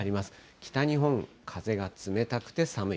北日本、風が冷たくて寒い。